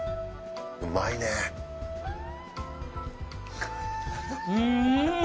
うまいねうーん！